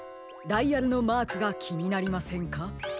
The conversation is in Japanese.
ダイヤルのマークがきになりませんか？